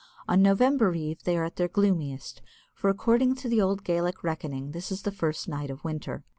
On November Eve they are at their gloomiest, for, according to the old Gaelic reckoning, this is the first night of winter.